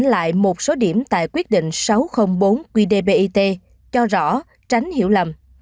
bộ y tế đã điều chỉnh lại một số điểm tại quyết định sáu trăm linh bốn qdbit cho rõ tránh hiểu lầm